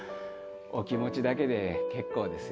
お気持ちだけで結構ですよ。